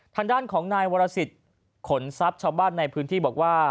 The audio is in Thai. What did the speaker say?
ทางด้านของนายวรสิทธิ์ขนทรัพย์ชาวบ้านในพื้นที่บอกว่า